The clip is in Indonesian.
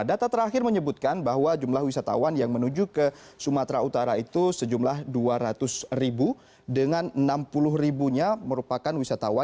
data terakhir menyebutkan bahwa jumlah wisatawan yang menuju ke sumatera utara itu sejumlah dua ratus ribu